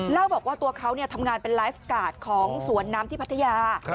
เล่าบอกว่าตัวเขาทำงานเป็นไลฟ์การ์ดของสวนน้ำที่พัทยา